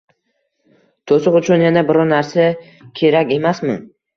To`siq uchun yana biror narsa kerak emasmi